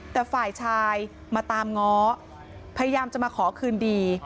แต่ฝ่ายชายมาตามง้อพยายามจะมาขอคืนดี